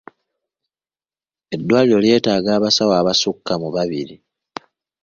Eddwaliro lyetaaga abasawo abasukka mu babiri.